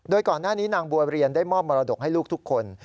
โดยก่อนหน้านี้นางบัวเรียนได้มอบมรดกให้ลูกทุกคน